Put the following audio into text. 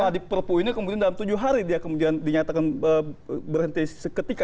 di perpu ini kemudian dalam tujuh hari dia kemudian dinyatakan berhenti seketika